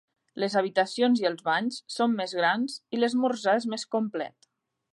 Les habitacions i els banys són més grans i l'esmorzar és més complet.